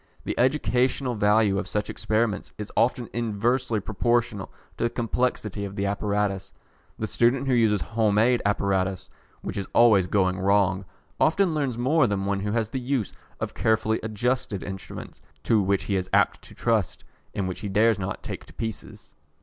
The educational value of such experiments is often inversely proportional to the complexity of the apparatus. The student who uses home made apparatus, which is always going wrong, often learns more than one who has the use of carefully adjusted instruments, to which he is apt to trust, and which he dares not take to pieces.